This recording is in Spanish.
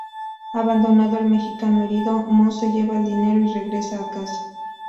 Abandonando al mexicano herido, Moss se lleva el dinero y regresa a casa.